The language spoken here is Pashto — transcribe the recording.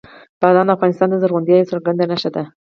بادام د افغانستان د زرغونتیا یوه څرګنده نښه ده.